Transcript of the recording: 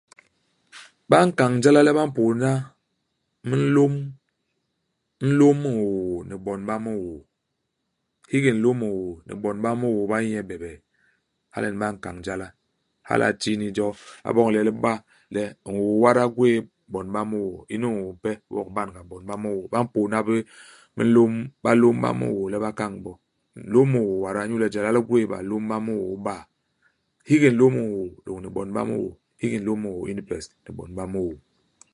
Ba nkañ jala le ba mpôdna minlôm nlôm ñôô ni bon ba miñôô. Hiki nlôm ñôô ni bon ba miñôô ba yé nye bebee. Hala nyen ba nkañ jala. Hala a ti ni jo a boñ le li ba le ñôô wada u gwéé bon ba miñôô ; unu ñôô mpe, wok u ban-ga bon ba miñôô. Ba mpôdba bé minlôm balôm ba miñôô le ba kañ bo. Nlôm ñôô wada inyu le jala li gwéé balôm ba miñôô iba. Hiki nlôm ñôô, lôñni bon ba miñôô. Hiki nlôm ôô ini pes ni bon ba miñôô.